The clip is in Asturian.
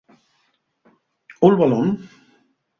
¿Ú'l balón?